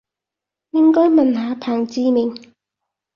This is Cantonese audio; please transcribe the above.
應該問下彭志銘